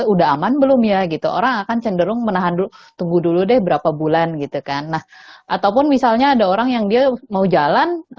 udah aman belum ya gitu orang akan cenderung menahan dulu tunggu dulu deh berapa bulan gitu kan nah ataupun misalnya ada orang yang dia mau jalan